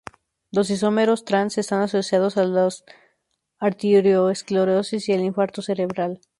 Los isómeros Trans están asociados a la arterioesclerosis y al infarto cerebral.